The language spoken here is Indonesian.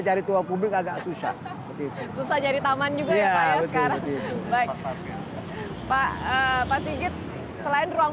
cari tuang publik agak susah susah jadi taman juga ya sekarang baik pak pak zegit selain ruang